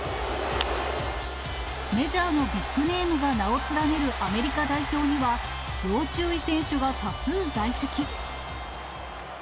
メジャーのビッグネームが名を連ねるアメリカ代表には、要注意選手が多数在籍。